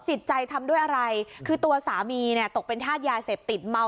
จิตใจทำด้วยอะไรคือตัวสามีเนี่ยตกเป็นธาตุยาเสพติดเมา